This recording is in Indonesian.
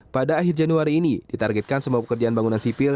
pada akhir januari ini ditargetkan semua pekerjaan bangunan sipil